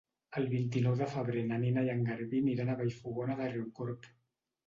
El vint-i-nou de febrer na Nina i en Garbí aniran a Vallfogona de Riucorb.